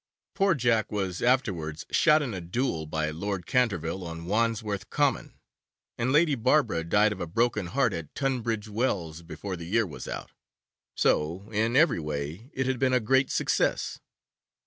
Poor Jack was afterwards shot in a duel by Lord Canterville on Wandsworth Common, and Lady Barbara died of a broken heart at Tunbridge Wells before the year was out, so, in every way, it had been a great success.